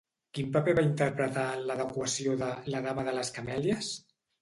Quin paper va interpretar en l'adequació de "La dama de les camèlies"?